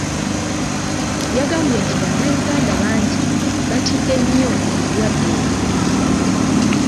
Yagambye nti Bannayuganda bangi batidde nnyo endwadde eno.